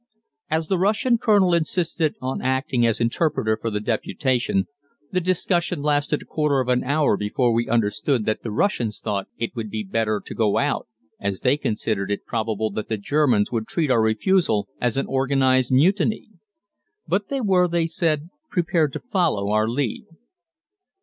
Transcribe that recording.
As the Russian colonel insisted on acting as interpreter for the deputation, the discussion lasted a quarter of an hour before we understood that the Russians thought it would be better to go out, as they considered it probable that the Germans would treat our refusal as an organized mutiny. But they were, they said, prepared to follow our lead.